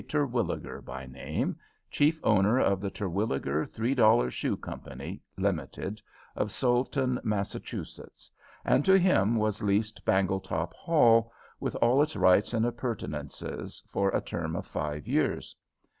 Terwilliger by name, chief owner of the Terwilliger Three dollar Shoe Company (Limited), of Soleton, Massachusetts, and to him was leased Bangletop Hall, with all its rights and appurtenances, for a term of five years.